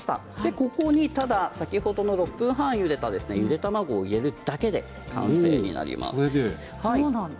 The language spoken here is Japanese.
ここに、先ほど６分半ゆでたゆで卵入れるだけで完成になります。